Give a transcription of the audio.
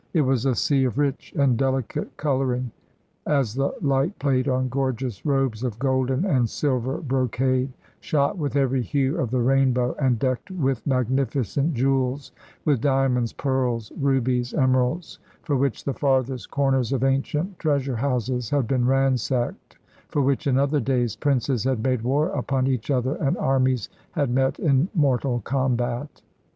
It was a sea of rich and deHcate coloring, as the light played on gorgeous robes of golden and silver brocade, shot with every hue of the rainbow, and decked with magnificent jewels, with diamonds, pearls, rubies, em eralds, for which the farthest corners of ancient treasure houses had been ransacked, for which, in other days, princes had made war upon each other and armies had met in mortal combat.